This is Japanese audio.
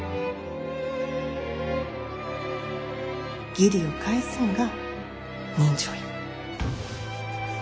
義理を返すんが人情や。